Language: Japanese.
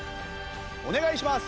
お願いします。